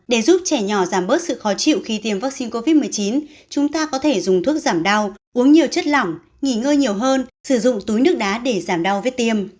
để giúp trẻ nhỏ giảm bớt sự khó chịu khi tiêm vaccine covid một mươi chín chúng ta có thể dùng thuốc giảm đau uống nhiều chất lỏng nghỉ ngơi nhiều hơn sử dụng túi nước đá để giảm đau vết viêm